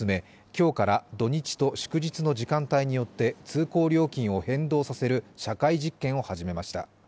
今日から土日と祝日の時間帯によって通行料金を変動させる社会実験を始めました。